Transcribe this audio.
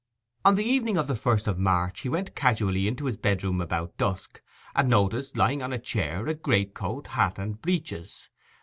On the evening of the first of March he went casually into his bedroom about dusk, and noticed lying on a chair a greatcoat, hat, and breeches.